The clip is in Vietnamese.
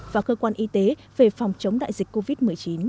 và cơ quan y tế về phòng chống đại dịch covid một mươi chín